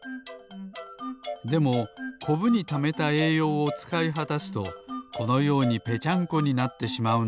でもコブにためたえいようをつかいはたすとこのようにぺちゃんこになってしまうんです。